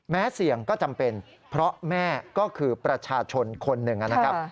เสี่ยงก็จำเป็นเพราะแม่ก็คือประชาชนคนหนึ่งนะครับ